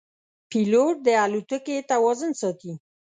پیلوټ د الوتکې توازن ساتي.